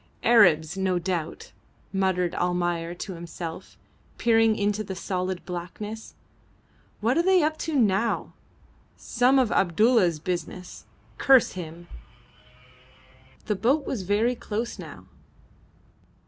"Arabs, no doubt," muttered Almayer to himself, peering into the solid blackness. "What are they up to now? Some of Abdulla's business; curse him!" The boat was very close now.